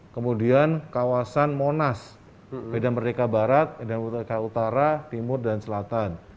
kemudian kawasan monas bdmb bdmu timur dan selatan